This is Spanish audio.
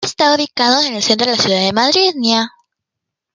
Está ubicado en el centro de la ciudad de Madrid.